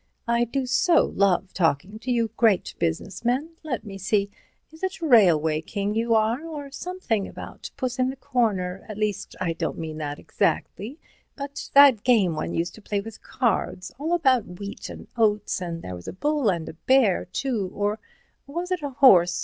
"I do so love talking to you great business men—let me see, is it a railway king you are or something about puss in the corner—at least, I don't mean that exactly, but that game one used to play with cards, all about wheat and oats, and there was a bull and a bear, too—or was it a horse?